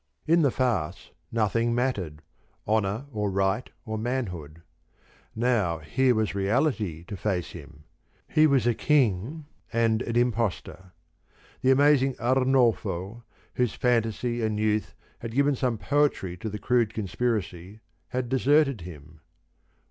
In the farce nothing mattered honour or right or manhood. Now here was reality to face him: he was a King, and an impostor. The amazing Arnolfo, whose fantasy and youth had given some poetry to the crude conspiracy, had deserted him.